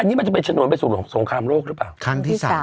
อันนี้มันจะเป็นฉนวนไปสู่สงครามโลกหรือเปล่าครั้งที่๓